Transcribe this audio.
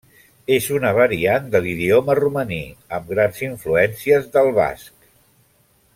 És una variant de l'idioma romaní, amb grans influències del basc.